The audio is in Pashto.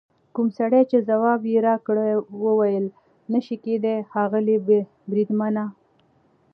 کوم سړي چې ځواب یې راکړ وویل: نه شي کېدای ښاغلي بریدمنه.